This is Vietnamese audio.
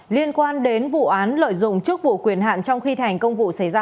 liên quan đến vụ án lợi dụng chức vụ quyền hạn trong khi thành công vụ xảy ra